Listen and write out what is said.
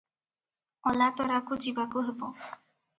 ଅଲାତରାକୁ ଯିବାକୁ ହେବ ।